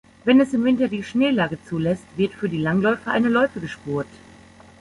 Wenn es im Winter die Schneelage zulässt, wird für die Langläufer eine Loipe gespurt.